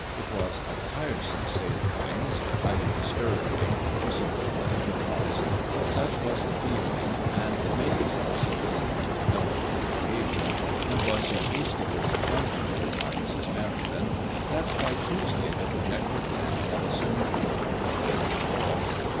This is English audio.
It was a tiresome state of things, highly discouraging to social en terprise, but such was the feeling, and it made itself so distinctly felt on this occasion, and was so hastily succumbed to by Mrs. Merrington, that by Tuesday the projected dance had assumed the proportions of a ball.